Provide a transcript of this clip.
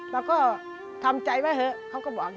เราก็ทำใจไว้เถอะเขาก็บอก